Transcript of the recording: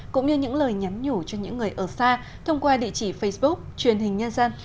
cũng như những lời nhắn nhủ cho những người ở xa thông qua địa chỉ facebook truyền hình nhân dân